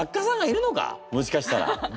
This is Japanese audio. もしかしたら。